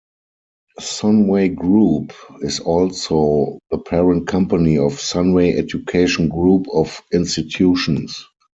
Sunway Group is also the parent company of Sunway Education Group of institutions.